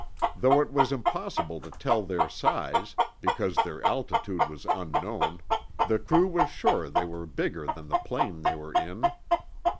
Though it was impossible to tell their size, because their altitude was unknown, the crew was sure they were bigger than the plane they were in.